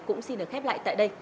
cũng xin được khép lại tại đây